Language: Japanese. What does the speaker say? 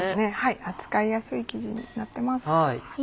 扱いやすい生地になってます。